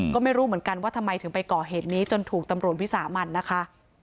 ก็ไม่รู้เหมือนกันว่าทำไมถึงไปก่อเหตุนี้จนถูกตำรวจวิสามันนะคะ